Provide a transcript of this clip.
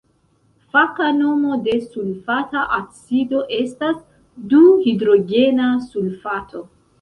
Faka nomo de sulfata acido estas du-hidrogena sulfato.